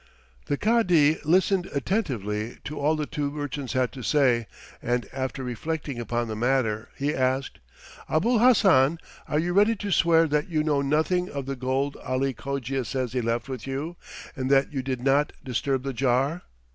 The Cadi listened attentively to all the two merchants had to say and after reflecting upon the matter he asked, "Abul Hassan, are you ready to swear that you know nothing of the gold Ali Cogia says he left with you, and that you did not disturb the jar?"